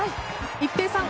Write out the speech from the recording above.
一平さん